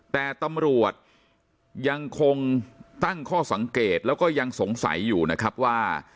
แต่ตำรวจยังคงตั้งข้อสังเกตแล้วก็ยังสงสัยอยู่นะครับว่า